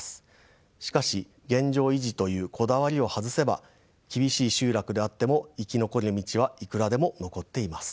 しかし現状維持というこだわりを外せば厳しい集落であっても生き残りの道はいくらでも残っています。